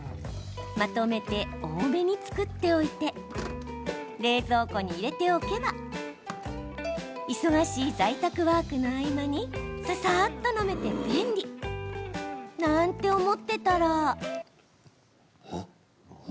まとめて多めに作っておいて冷蔵庫に入れておけば忙しい在宅ワークの合間にささっと飲めて便利なんて思ってたら。